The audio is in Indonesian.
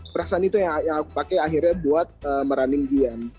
perasaan itu yang aku pakai akhirnya buat meraning gian